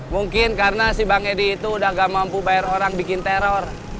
mungkin karena si bang edi itu udah gak mampu bayar orang bikin teror